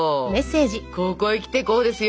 ここへ来てこうですよ。